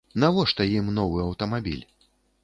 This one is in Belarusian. Навошта ім новы аўтамабіль?